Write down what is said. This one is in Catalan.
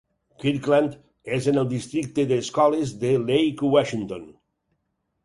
Kirkland és en el districte de escoles de Lake Washington.